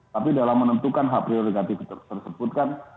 tapi dalam menentukan hak prerogatif tersebut kan